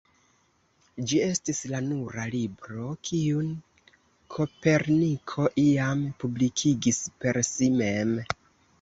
Ĝi estis la nura libro kiun Koperniko iam publikigis per si mem.